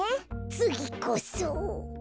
つぎこそ。